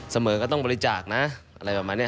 เสมอก็ต้องบริจาคนะอะไรแบบนั้นเนี่ย